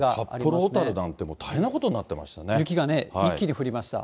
札幌、小樽なんて、大変なこと雪がね、一気に降りました。